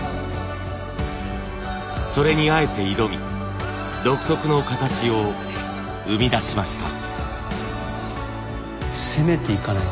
それにあえて挑み独特の形を生み出しました。